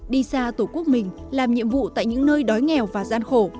đi xa tổ quốc mình làm nhiệm vụ tại những nơi đói nghèo và gian khổ